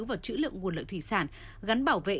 vào chữ lượng nguồn lợi thủy sản gắn bảo vệ